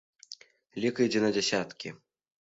Лік ідзе на дзясяткі.